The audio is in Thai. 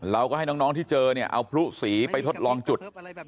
เราก็ให้น้องที่เจอเนี่ยเอาพลุสีไปทดลองจุด